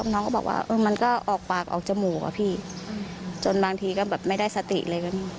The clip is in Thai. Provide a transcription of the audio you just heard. น้องก็บอกว่ามันก็ออกปากออกจมูกอะพี่จนบางทีก็แบบไม่ได้สติเลย